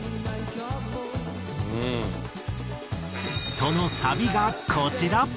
そのサビがこちら！